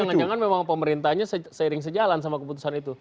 jangan jangan memang pemerintahnya seiring sejalan sama keputusan itu